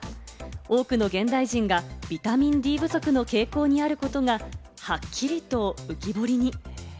多くの現代人がビタミンＤ不足の傾向にあることがはっきりと浮き彫りに。